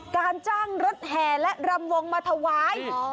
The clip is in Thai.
การจ้างรถแห่และรำวงมาถวาย